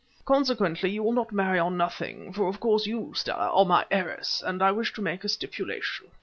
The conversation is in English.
Consequently you will not marry on nothing, for of course you, Stella, are my heiress, and I wish to make a stipulation.